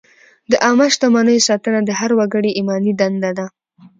د عامه شتمنیو ساتنه د هر وګړي ایماني دنده ده.